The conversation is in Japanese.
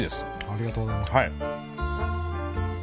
ありがとうございます。